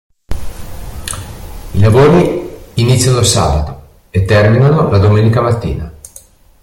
I lavori iniziano il sabato e terminano la domenica mattina.